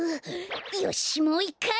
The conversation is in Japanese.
よしもういっかい！